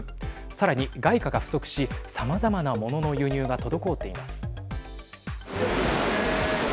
さらに、外貨が不足しさまざまなモノ物の輸入が滞っています。